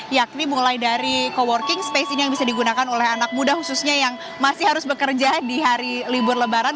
yakni mulai dari co working space ini yang bisa digunakan oleh anak muda khususnya yang masih harus bekerja di hari libur lebaran